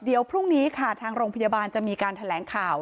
เดี๋ยวพรุ่งนี้ค่ะทางโรงพยาบาลจะมีการแถลงข่าว